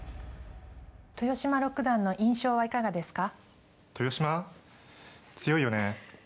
豊島六段の印象はいかがですか？